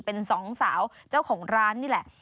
เป็นสองสาวเจ้าของร้านนี่แหละ